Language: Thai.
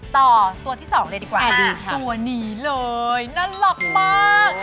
ต่อตัวที่สองเลยดีกว่าตัวนี้เลยน่ารักมาก